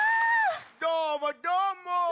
どーもどーも！